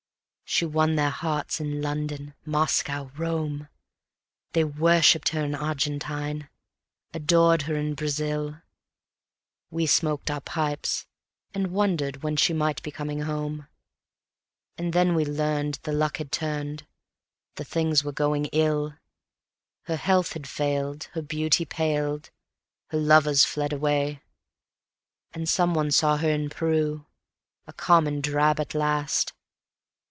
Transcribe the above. She won their hearts in London, Moscow, Rome; They worshiped her in Argentine, adored her in Brazil; We smoked our pipes and wondered when she might be coming home, And then we learned the luck had turned, the things were going ill. Her health had failed, her beauty paled, her lovers fled away; And some one saw her in Peru, a common drab at last.